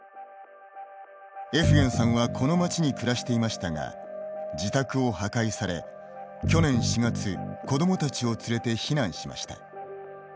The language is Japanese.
エフゲンさんはこの街に暮らしていましたが自宅を破壊され、去年４月子どもたちを連れて避難しました。